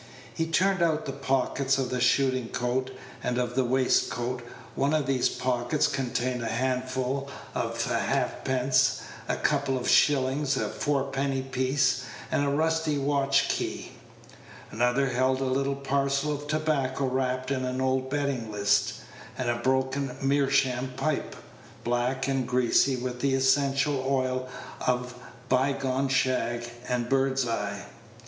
He turned out the pockets of the shooting coat and of the waistcoat; one of these pockets contained a handful of half pence, a couple of shillings, a fourpenny piece, and a rusty watch key; another held a little parcel of tobacco wrapped in an old betting list, and a broken meerschaum pipe, black and greasy with the essential oil of by gone shag, and bird's eye.